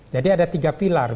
jadi ada tiga pilar